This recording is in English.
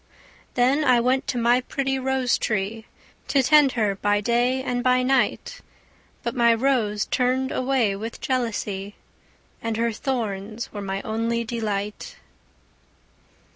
Then I went to my pretty rose tree, To tend her by day and by night; But my rose turned away with jealousy, And her thorns were my only delight.